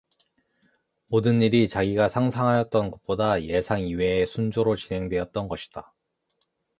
모든 일이 자기가 상상하였던 것보다 예상 이외에 순조로 진행되었던 것이다.